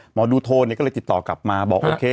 หมอดูโทนก็เลยติดต่อกลับมาบอกโอเค